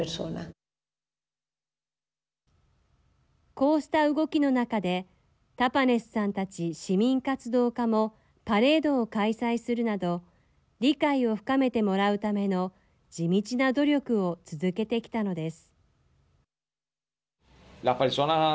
こうした動きの中でタパネスさんたち市民活動家もパレードを開催するなど理解を深めてもらうための地道な努力を続けてきたのです。